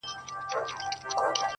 • په ورځ کي سل ځلي ځارېدله.